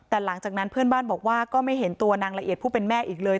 แต่หลังจากนั้นเพื่อนบ้านบอกว่าก็ไม่เห็นตัวนางละเอียดผู้เป็นแม่อีกเลย